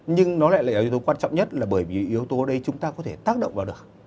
nhưng nó lại là yếu tố quan trọng nhất là bởi vì yếu tố đấy chúng ta có thể tác động vào được